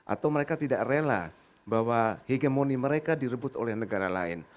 atau mereka tidak rela bahwa hegemoni mereka direbut oleh negara lain